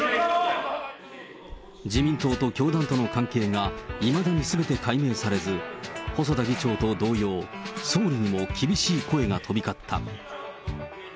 自民党と教団との関係がいまだにすべて解明されず、細田議長と同様、総理にも厳しい声が飛び交った。